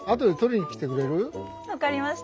分かりました。